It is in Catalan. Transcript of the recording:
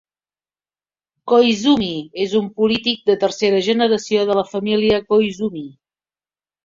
Koizumi és un polític de tercera generació de la família Koizumi.